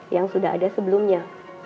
yang sudah ada sebelumnya